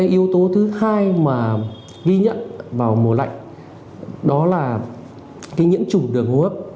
yếu tố thứ hai mà ghi nhận vào mùa lạnh đó là nhiễm chủng đường hô hấp